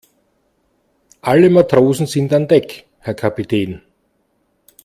Alle Matrosen sind an Deck, Herr Kapitän.